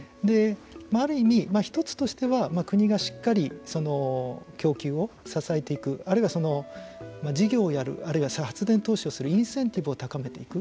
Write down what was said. ある意味１つとしては国がしっかりその供給を支えていくあるいは、事業をやるあるいは発電投資をするインセンティブを高めていく。